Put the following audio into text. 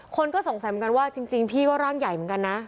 คนก็สงสัยเหมือนกันว่าจริงพี่ก็ร่างใหญ่เหมือนกันนะ